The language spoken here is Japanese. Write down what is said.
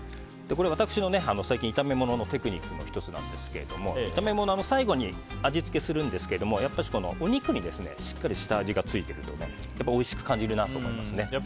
私の最近、炒め物のテクニックの１つなんですけど炒め物は最後に味付けするんですけどもお肉にしっかり下味がついているとやっぱりおいしく感じるなと思いますね。